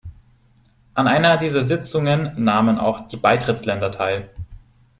An einer dieser Sitzungen nahmen auch die Beitrittsländer teil.